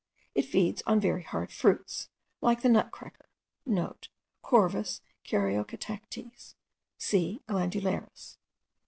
It feeds on very hard fruits, like the nutcracker* (* Corvus caryocatactes, C. glandarius.